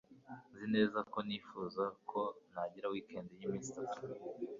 Nzi neza ko nifuza ko nagira weekend y'iminsi itatu.